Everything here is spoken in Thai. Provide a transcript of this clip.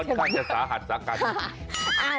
ค่อนข้างจะสาหัสสากัน